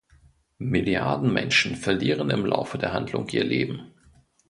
Milliarden Menschen verlieren im Laufe der Handlung ihr Leben.